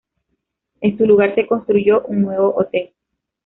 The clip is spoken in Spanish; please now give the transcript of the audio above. En su lugar se construyó un nuevo hotel.